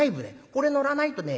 これ乗らないとね